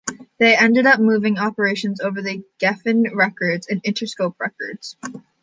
They ended up moving operations over to Geffen Records and Interscope Records.